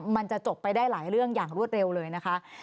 มันจะจบไปได้หลายเรื่องอย่างรวดเร็วเลยนะคะ